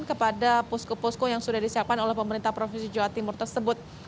kepada posko posko yang sudah disiapkan oleh pemerintah provinsi jawa timur tersebut